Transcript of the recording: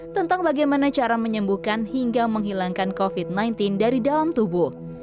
tentang bagaimana cara menyembuhkan hingga menghilangkan covid sembilan belas dari dalam tubuh